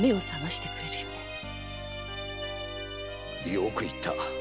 よく言った。